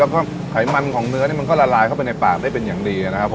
แล้วก็ไขมันของเนื้อมันก็ละลายเข้าไปในปากได้เป็นอย่างดี